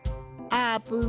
あーぷん。